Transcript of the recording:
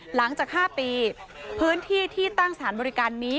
หลังจาก๕ปีพื้นที่ที่ตั้งสถานบริการนี้